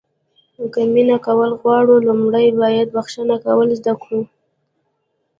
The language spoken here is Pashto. که مینه کول غواړو لومړی باید بښنه کول زده کړو.